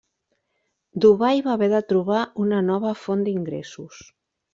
Dubai va haver de trobar una nova font d’ingressos.